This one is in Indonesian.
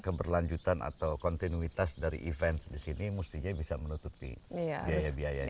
keberlanjutan atau kontinuitas dari event di sini mestinya bisa menutupi biaya biayanya